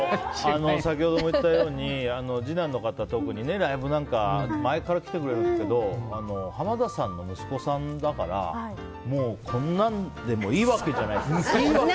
先ほども言ったように次男の方特にライブなんかは前から来てくださるんですけど浜田さんの息子さんだからこんなんでもいいわけじゃないですか。